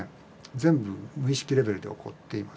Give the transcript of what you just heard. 全部無意識レベルで起こっています。